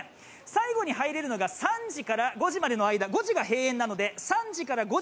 最後に入れるのが３時から５時までの間、５時が閉園です。